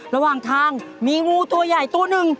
ระหว่างทางมีงูตัวใหญ่ตัวหนึ่ง